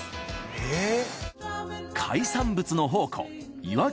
えっ！？